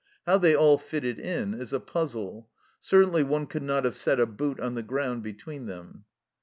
How they all fitted in is a puzzle. Certainly one could not have set a boot on the ground between them.